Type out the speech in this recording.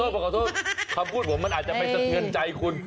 ขอโทษคำพูดผมมันอาจจะไปสะเทือนใจคุณ